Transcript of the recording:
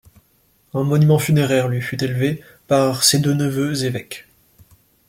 Un monument funéraire lui fut élevé par ses deux neveux évêques.